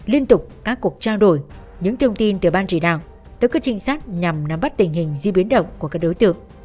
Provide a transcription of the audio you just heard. liên tục các cuộc trao đổi những thông tin từ ban chỉ đạo tới các trinh sát nhằm nắm bắt tình hình di biến động của các đối tượng